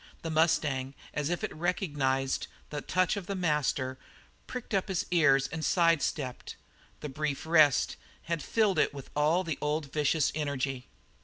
The mustang, as if it recognized the touch of the master, pricked up one ear and side stepped. The brief rest had filled it with all the old, vicious energy.